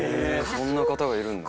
そんな方がいるんだ。